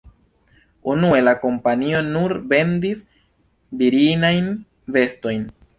Unue la kompanio nur vendis virinajn vestojn.